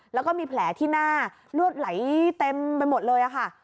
แล้วก็มีแผลที่หน้าลวดไหลเต็มไปหมดเลยค่ะ